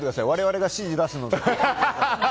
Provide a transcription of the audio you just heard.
我々が指示を出すので。